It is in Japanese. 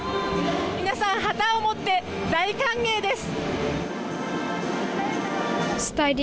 皆さん、旗を持って大歓迎です。